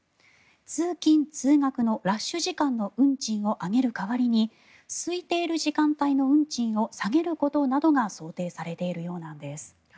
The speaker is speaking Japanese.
通勤・通学のラッシュ時間の運賃を上げる代わりにすいている時間帯の運賃を下げることなどが想定されているようなんです。